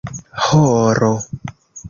horo